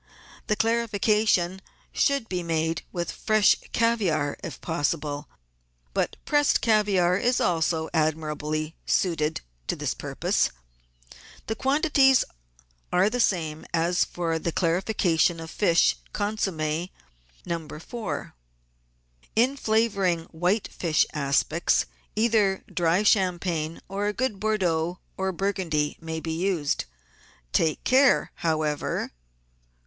The clarification should be made with fresh caviare if pos sible, but pressed caviare is also admirably suited to this purpose. The quantities are the same as for the clarification of fish con somm6. No. 4. In flavouring white fish aspics either dry champagne or a good Bordeaux or Burgundy may be used. Take care, how ever— 1.